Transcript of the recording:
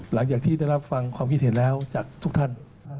หลังจากที่ได้รับฟังความคิดเห็นแล้วจากทุกท่าน